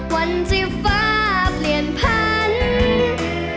วันที่ฟ้าเปลี่ยนพันธุ์